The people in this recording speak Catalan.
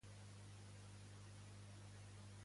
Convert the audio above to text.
Alamany renuncia al seu escó.